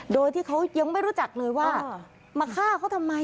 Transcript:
โดยที่เขายังไม่รู้จักเลยว่ามาฆ่าเขาทำไม